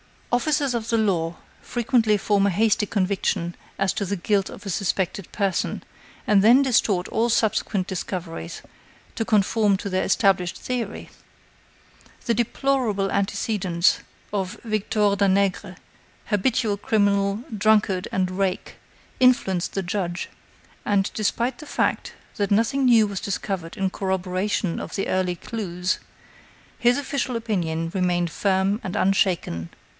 Officers of the law frequently form a hasty conviction as to the guilt of a suspected person, and then distort all subsequent discoveries to conform to their established theory. The deplorable antecedents of Victor Danègre, habitual criminal, drunkard and rake, influenced the judge, and despite the fact that nothing new was discovered in corroboration of the early clues, his official opinion remained firm and unshaken.